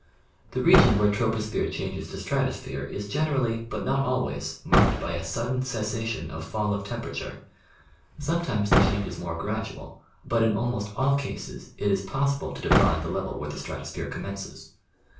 The region where troposphere changes to stratosphere is generally, but not always, marked by a sudden cessation of fall of temperature; sometimes the change is more gradual, but in almost all cases it is possible to define the level where the stratosphere commences.